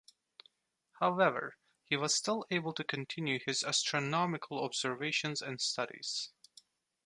However he was still able to continue his astronomical observations and studies.